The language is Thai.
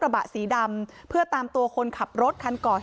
ว่าเป็นใครคะ